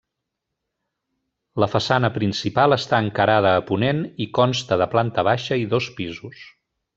La façana principal està encarada a ponent i consta de planta baixa i dos pisos.